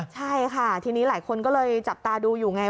ใช่ค่ะทีนี้หลายคนก็เลยจับตาดูอยู่ไง